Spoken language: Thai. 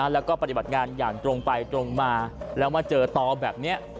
แล้วก็ปฏิบัติงานอย่างตรงไปตรงมาแล้วมาเจอต่อแบบนี้